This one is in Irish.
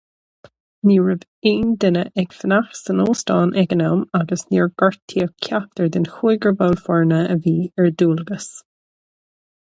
Ní raibh aon duine ag fanacht san óstán ag an am, agus níor gortaíodh ceachtar den chúigear ball foirne a bhí ar dualgas.